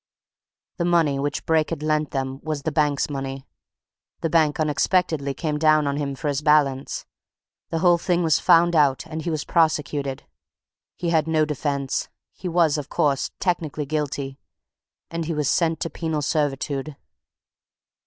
The money which Brake had lent them was the bank's money. The bank unexpectedly came down on him for his balance, the whole thing was found out, and he was prosecuted. He had no defence he was, of course, technically guilty and he was sent to penal servitude."